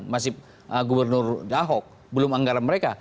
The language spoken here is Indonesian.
masih gubernur dahok belum anggaran mereka